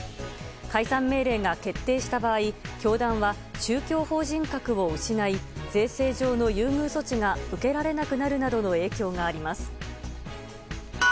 解散命令が決定した場合教団は宗教法人格を失い税制上の優遇措置が受けられなくなるなどの影響があります。